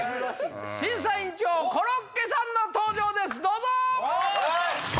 審査員長コロッケさんの登場ですどうぞ！